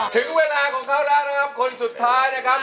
ถึงเวลาของเขาแล้วนะครับคนสุดท้ายนะครับ